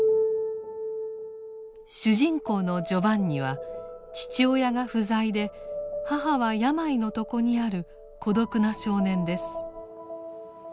主人公のジョバンニは父親が不在で母は病の床にある孤独な少年です。